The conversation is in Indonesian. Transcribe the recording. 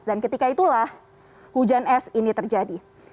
dan ketika itulah hujan es ini terjadi